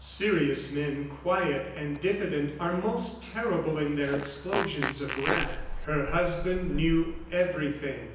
Serious men, quiet and diffident, are most terrible in their explosions of wrath. Her husband knew everything.